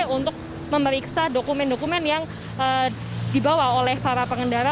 untuk memeriksa dokumen dokumen yang dibawa oleh para pengendara